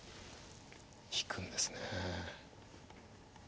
引くんですね。